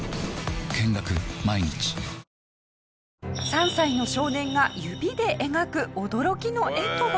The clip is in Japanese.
３歳の少年が指で描く驚きの絵とは？